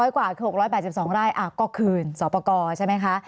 กว่า๖๘๒ไร่ก็คืนสอบประกอบใช่ไหมคะ